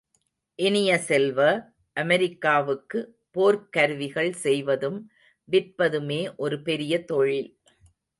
இனிய செல்வ, அமெரிக்காவுக்கு, போர்க் கருவிகள் செய்வதும் விற்பதுமே ஒரு பெரிய தொழில்.